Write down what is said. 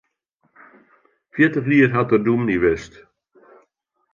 Fjirtich jier hat er dûmny west.